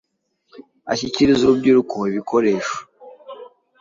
ashyikiriza urubyiruko ibikoresho